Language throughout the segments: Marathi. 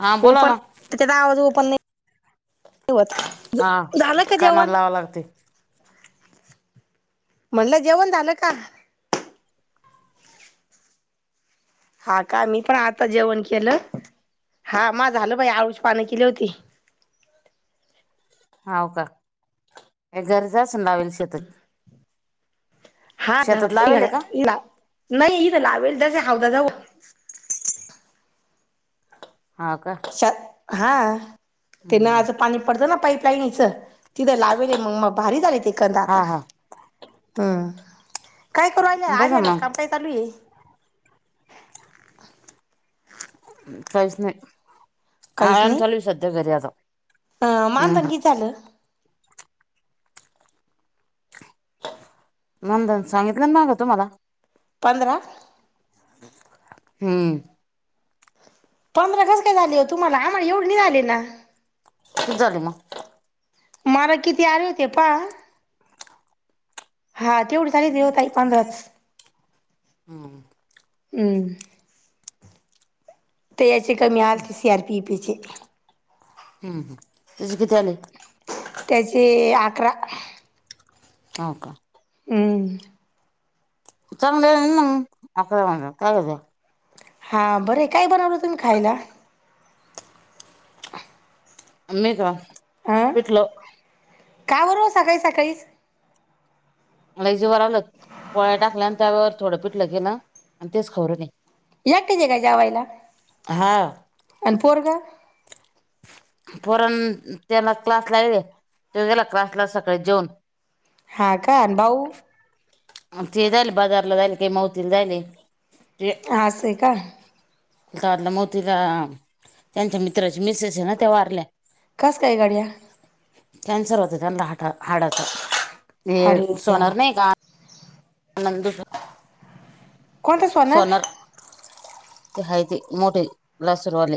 हा बोला ओपन ना. त्याच्यात आवाज ओपन नाही होत. हा झालं का कानाला जेवण? लावायला लागतंय. म्हणलं जेवण झालं का? हा का मी पण आता जेवण केलं. हा मा झालं बाई आळूची पाणं केली होती. हाव का. हे जरच लावेल शेतात. हा शेतात घरातल्या लावेल का घरात नाही इथं लावेल तसे हाऊता जवळ. हा का? हा ते हम्म नळाचं पाणी पडतं ना पाईपलाईनीचं. तिथं लावेले मग मग भारी झाले ते कंद हा आता. हा हम्म. काय करूयला बरं आया ना काम मग काही चालू आहे. काहीचं नाही. आराम चालू आहं सध्या घरी आता. ह्म मान हम्म हा भगी झाल का? मानधन सांगितलं माग तुम्हाला. पंधरा. हम. पंधरा कसं काय झाले हो तुम्हाला? आम्हाला एवढे नाही झाले ना. किती झालं मग? मला किती आले होते पाहा. हा तेवढेचं आलेओ ताई पंधराच. हम. हम्म. तर याची कमी आलती सी आर पी पी चे. हम्म हम तुझी कितीे आले? त्याचे अकरा हो का हमं चांगले आहं ना म [inaudible] काय करते. हां बरंय, काय बनवलं तुम्ही खायला? मी का, हा पिटलं का बर सकाळी, सकाळीच. लईचं [unintelligible] पोळ्या टाकल्या आणि त्या वर थोडं पिटलं केलं आणि तेच खाऊ राहिले. एकटाच आहे का जेवायला हा आणि पोरगं? पोरण त्याला क्लासला हाय व्हयं, तो गेला क्लासला सकाळी जेऊन. हां का आणं भाऊ? ते झाले बाजारला जायल, काही मावतीला जायलंय ते. असंय का. [unintelligible] मोतीराम त्यांच्या मित्राची मिसेस हे ना त्या वारल्या. कसं काय गड्या? कॅन्सर होत त्यांनला हा, हाडाच, हे अरे देवा सोनर नाही का नंदूच सोनार, हाय ती, मोठे लासूरवाले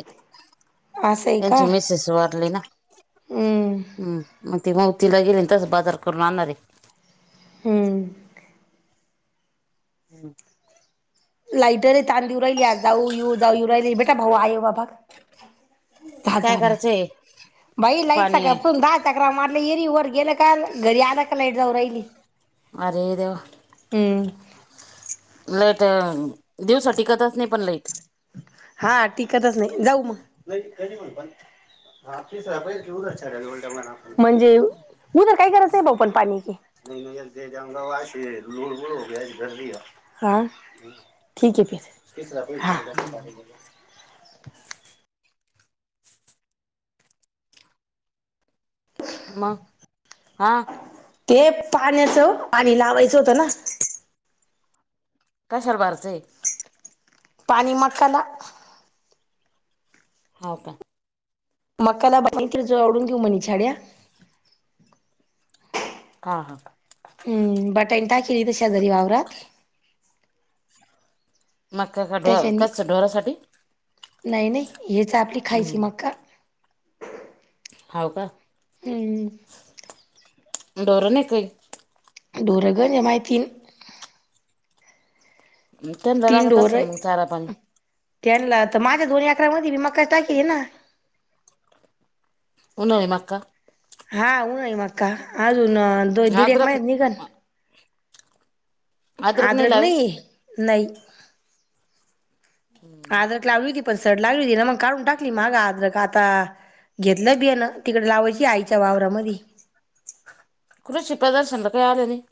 असं आहे का त्यांची मिसेस वारली ना. हम्म हम्म, म ते मवतीला गेले अन तसं बाजार करून आणणार हेय हम्म. [unintelligible] लाईटर ताण देऊ राहिले जाऊ -येऊ, जाऊ -येऊ राहिली बेटा, भाऊ, अयो, बाबा. झा, काय झा, ना करायचंय बाई लाईट पाणी सकाळपासून दा चकरा मारलं येरी वर गेलं कार, घरी आलं का लाईट जाऊ राहिली. अरे देवा. हम्म. लाईट, दिवसा टिकतच नाही पण लाईट. हा, टिकतच नाही जाऊ मग. म्हणजे व उधर काय करायचं हे भाऊ पण पाणी ते. ते जाऊ वा लूण, वूण होग गरदीय, हां ठीक हे फिर हा [inaudible] मग हा. ते पाण्याचं, पाणी लावायचं होतं ना. कशाला भारतंय? पाणी मकाला. होव का. मकाला बाही जो आवडून घेऊ छड्या. हा, हा. हम्म, बटानं टाशी इथं शेजारी वावरात. मक्याच्या डोर, त्याच्यानी कशाच्या डोरासाठी? नाही, नाही हेच आपली खायची मक्का. हाव का? हम्म [inaudible] ढोरं नाई कायी. ढोरं गंजय माहितीय त्यांना तीन लागत असेल ढोरंय. ना मग चारा पाणी त्यांन्ला त माझ्या दोन एकरा मदी मका टाकीलाय ना. उन्हाळी मक्का? हा उन्हाळी मक्का. अजून दोन दीड एक अद्रक मइन्यानं निघन. अद्रक नाही आद्रक लावेल नयी? नई. आद्रक लावली होती पण सड लागलीवती ना, मग काढून टाकली मागं आद्रक आताआ. घेतलं बीयानं. तिकडे लावायची आईच्या वावरामधी. कृषी पदर्शनला कायी आलं नाई.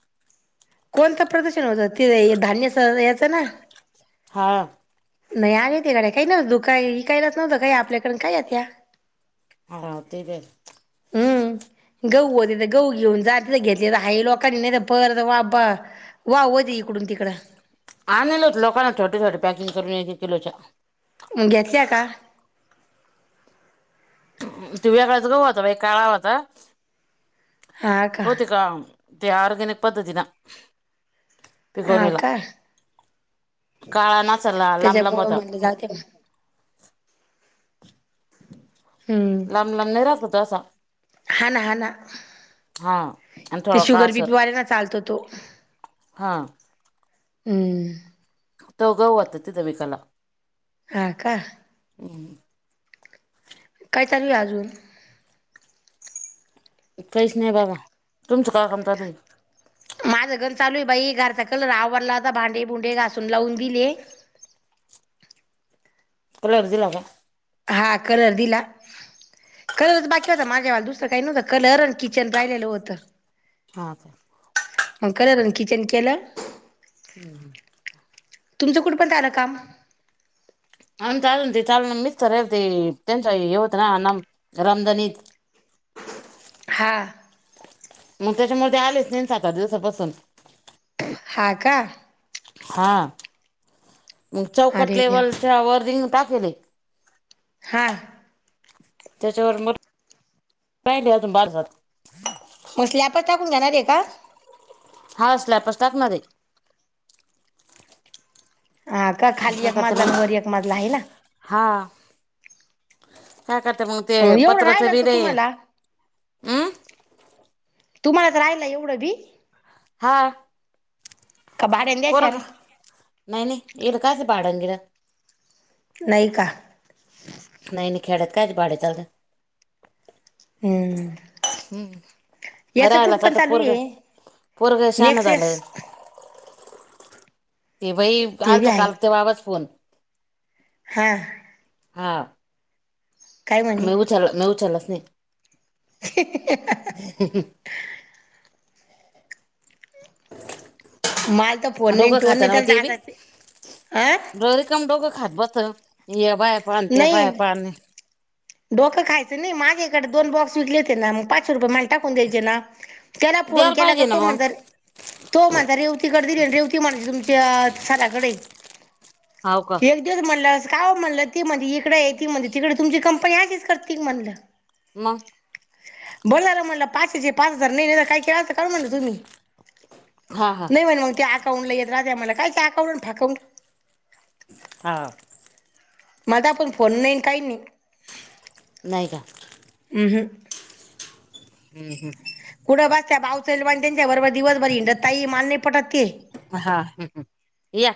कोणतं प्रदशण होतं? ते धान्य स याचं ना? हा. नाई आले ते गड्या, कायी नवतं दुका इकायलाच नवतं काई आपल्याकडं अन काय येत्या? आगा ते दे [inaudible] हम्म. गहू होतेथं, गहू घेऊन जात नाही घेतलं त हाये लोकाचे नायत परत वापा. वावदय इकडून तिकडं. आणेल होते लोकांना छोटं, छोटं पॅकिंग करून एक एक किलोच्या. घेतल्या का? त्यो वेगळाच गहू होता बाई काळा होता. हा का होतिका? त्या ऑरगॅनिक पद्दतीनं? हा पिकवणीला, का काळा नाचला लांब लांब होता. ते जा [unintelligible] ते म [inaudible] हम्म लांब लांब नाई ऱ्हातो तसा. हा ना हा ना हां. ते शुगर बिपीवल्यांना चालतो तो. हा हम्म. त्योव गऊ ओता तितं विकाला. हां का? काय चालू ए अजून? काहीच नायी बाबा. तुमचं काय काम चालूये? माझं गंज चालूये बाई, घरचा आवरला, आता भांडे भुंडे घासून लावून दिले. कलर दिला का? हां, कलर दिला. कलरच बाकी होता माझ्यावाला दुसरं काही नवतं. कलर आणि किचन राईलेलं होतं. हां का? मग कलर आणि किचन केलं हं हं. तुमचं कुटंपर्यंत आलं काम? आमचं अजून ते चालूये, मिस्तरे नं ते, त्यांचं हे, हे होतंते नम रमझान ईद. हां मंग त्याच्यामुळे ते आलेच नाइना सात-आठ दिवसापासून. हां का? हां, मंग चौकट अरे द्या लेवल च्या वर रिंग टाकेलय. हां त्याच्यावर मग [unintelligible] राहिली अजून [unintelligible] म स्लॅपच टाकून घेणारे का? हां स्लॅपच टाकणारे. हा का? खाली एक मजला आणि वर एक मजला हाय ना? हां, काय करते मग ते. एवढं पत्र्याचं राहिलं बी का लई तुम्हाला तुम्हालाच राहायला एवढं बी? हां. का भाड्यान द्याशान पोरगं? नाही नाही इड काच भाडन बीड. नाही का? नाही नाही. खेड्यात काचे भाडे चालत्या. हम्म. हम्म. याच कुठ राहायलाच पण आता चालू पोरगं, आहे पोरगं शहाणं नेक्सेस झालं. ते बाई ते बी आलतं आहे काल त्या बाबाचं फोन. हां. हां. काय म्हणी? चला म्या उचलाच नाही. [inaudible] [inaudible] मलात फोन नाहीन डोकं टोन खातं ना हो नाही. आं? रिकम डोकं खात बसतं. या बाया पान. त्या बाया नाही पान. डोकं खायचं नाही. माझ्याकडे दोन बॉक्स विकले होते ना. मग पाचशे रुपये मान टाकून द्यायचे ना. त्याला फोन द्यायला केला का पाहिजे ना तो मग म्हणता अरे तो म्हणता रेवतीकडे दिलेन. रेवती म्हणते तुमच्या सधाकडय. हाव का? तेच म्हणलं. का ओ म्हणलं ती म्हणती इकडेय. ती म्हणती तिकडय. तुमची कंपनी अशीच करते का म्हणलं? म? बोलणार म्हणला. पाचशेचे पाच हजार नाही दीले काय केल अस काय म्हणलं तुम्ही? हा हा नाही म्हणे मग ते अकाउंटला येत राहता. म्हणल कायच अकाउंट फाकावूउंट. हा. मला तेवा पहून फोन नाहीन काही नाही. नाय का? अम्म हम्म. हम्म हम्म. कुठं बसत्या बावचळेल वानी त्यांच्या बरोबर दिवसभरी हिंडत ताई. माल नाही पटत ते. हा हम्म हम्म. या.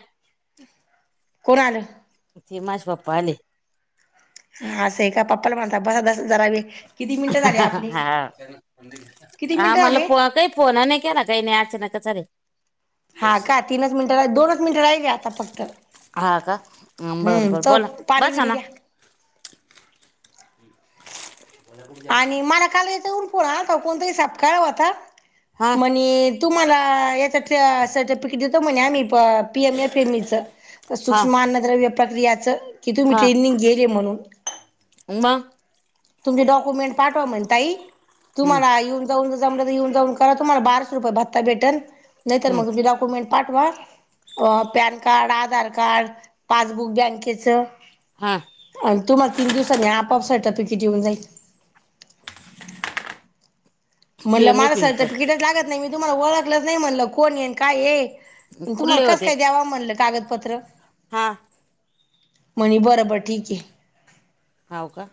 कोण आलं? ती माझे पप्पा आलेय. हा असाय का? पप्पाला म्हणा आता बासा दस जारा वेळ. किती मिनिटं झाले आपले हा किती आ मिनिटं मला झाले पहा काही फोनं नाही केला त्यांयनी. अचानकच आले ते. हा का? तीनच मिनिट रा दोनच मिनिटं राहिले आता फक्त. हा का बर हम्म, बर बोला च पाणी बसा बीणी ना द्या. आणि मला काल याच्याहून फोन आलता. कोणतरी सपकाळ होता. हा म्हणी तुम्हाला याच्यात सर्टिफिकेट देतो. म्हणे आम्ही. P M F M E च. हा सूक्ष्मअन्नद्रव्य प्रक्रियाच. की तुम्ही हा ट्रेननींग गेले म्हणून. मग. तुमचे डॉक्युमेंट पाठवा म्हणताई, हम्म तुम्हाला येऊन येऊन-जाऊ जमलं तर येऊन-जाऊन करा तुम्हाला बाराशे रुपये भत्ता भेटन, नाही तर हम्म मग तुमचे डॉक्युमेंट पाठवा PAN card, Aadhaar card, passbook बँकेचं. हां. आणि तुम्हाला तीन दिवसाांनी आपआप सर्टिफिकेट येऊन जाईल. म्हणलं पिम मला पिम तर सर्टिफिकेटच लागत नाही, मी तुम्हाला ओळखलंच नाही म्हणलं कोण हे, न काय हे. तुम्हाला कुठले कस काय द्यावा म्हणलं कागदपत्र. हां. म्हणे बरं-बरं ठीक आहे. हाव का.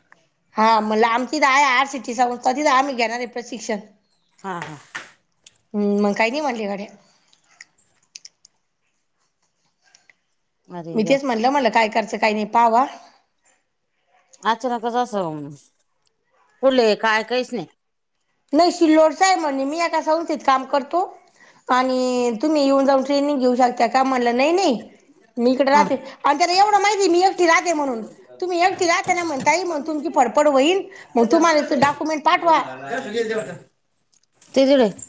हा म्हणल आमचीच आहे, आर सिटी संस्था तिथं आम्ही घेणार आहे प्रशिक्षण. हा, हा. हम्म, मला काही नाही म्हणली गड्या. अरे मी देव तेच म्हणलं मला काय करायच काय नाही पावा. अचानकच अस कोले आहे काय काहीच नाही. नाही शिल्लोडचा आहे म्हणे, मी आता संस्थेत काम करतो. आणि तुम्ही येऊन-जाऊन ट्रेनिंग घेऊ शकता, का म्हणलं नाही नाही. मी इकडे हा राहते, आणि त्याला एवढं माहिती हे मी एकटी राहते म्हणून. तुम्ही एकटी राहता ना ताई, तिला त्यांना म्हणता ये मग तुमची फडफड होईन, मग तुम्हाला ते डॉक्युमेंट पाठवा. त जडे [unintelligible]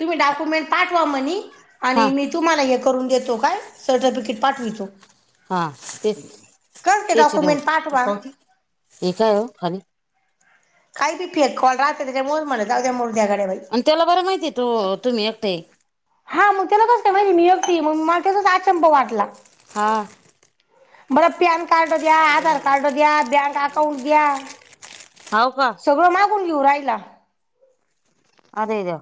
तुम्ही डॉक्युमेंट पाठवा म्हणे, हा आणि मी तुम्हाला हे करून देतो काय, सर्टिफिकेट पाठवितो. हा तेच-तेच कस ते तेच डॉक्युमेंट पाठवा. हे काय हो खाली. काही बी फेक कॉल राहते, त्याच्यामुळेच म्हणत असेल मो म्ह म मुर् द्याडेई. आणि त्याला बरं माहितीये आहे तो तुम्ही एकटे आहे. हा मग त्याला कसं काय माहिती मी एकटी आहे म्हणून, मला त्याचाच आचंबा वाटला. हां. बरं पॅनकार्ड द्या, आधार कार्ड द्या, बँक अकाउंट द्या. हाव का. सगळं मागून घेऊन राहिला. अरे देवा.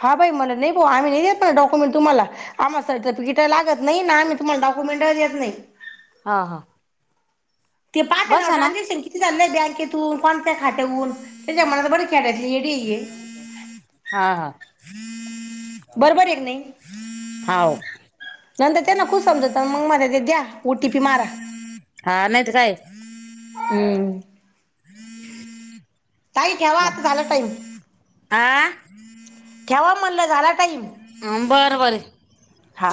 हां बाई मला नाही बुवा, आम्ही नाही देत डॉक्युमेंट तुम्हाला. आम्हाला सर्टिफिकेट लागत नाही, ना आम्ही तुम्हाला डॉक्युमेंटही देत नाही. हा, हा. ते पाच ना ट्रान्झॅक्शन किती झालं आहे, बँकेतून कोणत्या खात्याहून. त्याच्या मनात बर खेड्याेतली येडी आहे. हा. बरोबर आहे का नाही. हाव नंतर त्यांना काय समजतं, मग म्हणलं द्या ओटीपी मारा. हा नाहीतर काय. हम्म. ताई ठेवा आता झाला टाईम. हां. ठेवा म्हणलं झाला टाईम. हं बर बर हा